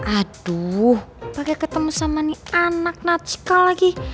aduh pake ketemu sama nih anak natsika lagi